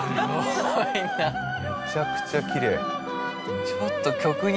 めちゃくちゃきれい。